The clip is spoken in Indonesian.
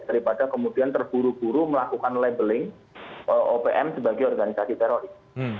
daripada kemudian terburu buru melakukan labeling opm sebagai organisasi teroris